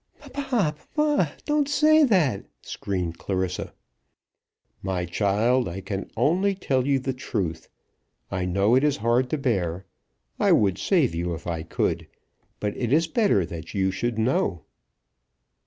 "Papa, papa; don't say that!" screamed Clarissa. "My child, I can only tell you the truth. I know it is hard to bear. I would save you if I could; but it is better that you should know."